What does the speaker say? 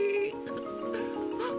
あっ！